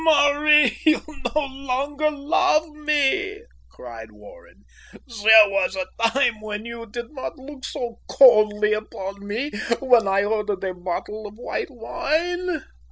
"Marie, you no longer love me," cried Warren. "There was a time when you did not look so coldly upon me when I ordered a bottle of white wine."